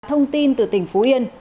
thông tin từ tỉnh phú yên